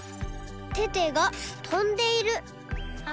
テテがとんでいる。